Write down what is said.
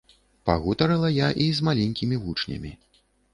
Пагутарыла я і з маленькімі вучнямі.